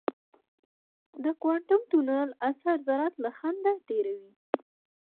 د کوانټم تونل اثر ذرات له خنډه تېروي.